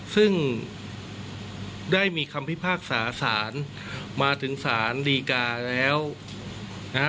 ซึ่งได้มีคำพิพากษาสารมาถึงสารดีกาแล้วนะฮะ